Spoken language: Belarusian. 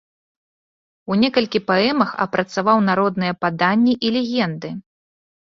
У некалькіх паэмах апрацаваў народныя паданні і легенды.